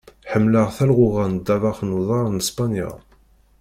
Ḥemmleɣ talɣuɣa n ddabex n uḍar n Spanya.